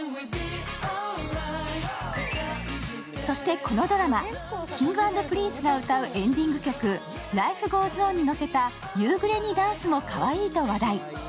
そしてこのドラマ、Ｋｉｎｇ＆Ｐｒｉｎｃｅが歌うエンディング曲、「Ｌｉｆｅｇｏｅｓｏｎ」にのせた夕暮れにダンスもかわいいと話題。